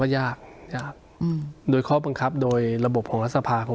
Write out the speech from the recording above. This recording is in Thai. ยากยากอืมโดยข้อบังคับโดยระบบของรัฐสภาผม